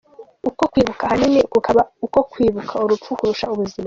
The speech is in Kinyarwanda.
Uko kwibuka, ahanini kukaba uko kwibuka urupfu kurusha ubuzima.